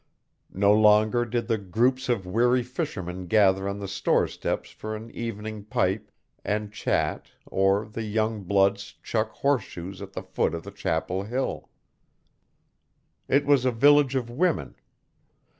No longer did the groups of weary fishermen gather on the store steps for an evening pipe and chat or the young bloods chuck horseshoes at the foot of the chapel hill. It was a village of women.